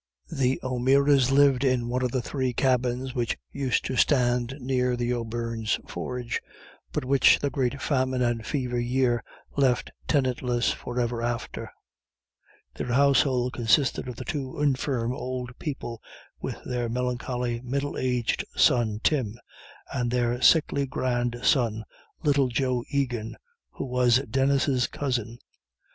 The O'Mearas lived in one of the three cabins which used to stand near the O'Beirne's forge, but which the great Famine and Fever year left tenantless for ever after. Their household consisted of the two infirm old people with their melancholy middle aged son Tim, and their sickly grandson, little Joe Egan, who was Denis's cousin.